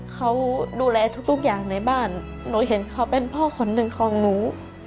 เขาดูแลทุกอย่างในบ้านหนูเห็นเขาเป็นพ่อคนหนึ่งของหนู